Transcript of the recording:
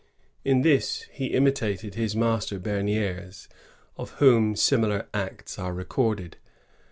In this he imitated his master Bemidres, of whom similar acts are recorded.'